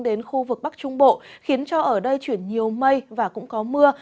đến khu vực bắc trung bộ khiến cho ở đây chuyển nhiều mây và cũng có mưa